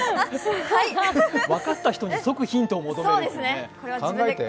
分かった人に即ヒントを求めるって。